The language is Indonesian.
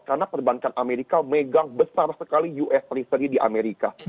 karena perbankan amerika megang besar sekali us treasury di amerika